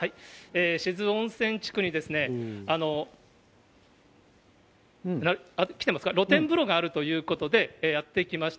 志津温泉地区に来てますか、露天風呂があるということで、やって来ました。